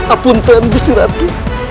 apunten gusti ratu